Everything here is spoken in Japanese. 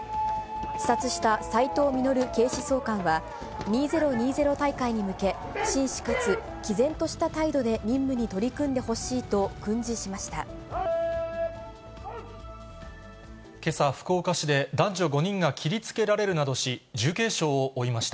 視察した斉藤実警視総監は、２０２０大会に向け、真摯かつきぜんとした態度で任務に取り組んでほしいと訓示しましけさ、福岡市で男女５人が切りつけられるなどし、重軽傷を負いました。